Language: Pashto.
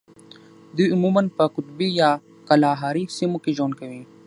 دوی عموماً په قطبي یا کالاهاري سیمو کې ژوند کوي.